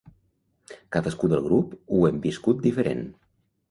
Cadascú del grup ho hem viscut diferent.